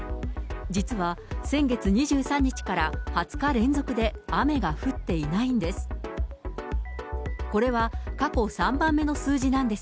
実は、先月２３日から２０日連続で雨が降っていないんです。